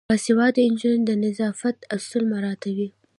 باسواده نجونې د نظافت اصول مراعاتوي.